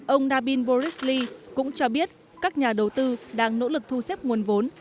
ông dabin boris lee cũng cho biết các nhà đầu tư đang nỗ lực thu xếp nguồn vốn